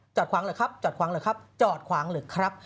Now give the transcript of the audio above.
ขวางเหรอครับจอดขวางเหรอครับจอดขวางหรือครับ